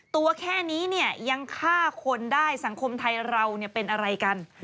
ตัวแค่นี้เนี่ยยังฆ่าคนได้สังคมไทยเราเป็นอะไรกัน